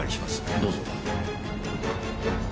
どうぞ。